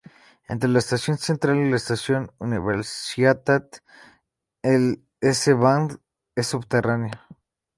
Entre la Estación Central y la estación Universität el S-bahn es subterráneo.